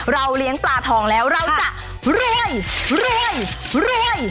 เราเลี้ยงปลาทองแล้วเราจะเรื่อยเรื่อยเรื่อย